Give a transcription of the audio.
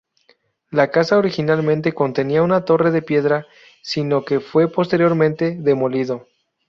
La casa originalmente contenía una torre de piedra, sino que fue posteriormente demolido.